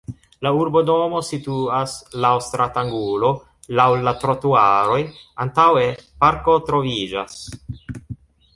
La urbodomo situas laŭ stratangulo laŭ la trotuaroj, antaŭe parko troviĝas.